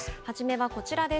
初めはこちらです。